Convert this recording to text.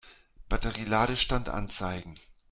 Batterie-Ladestand anzeigen.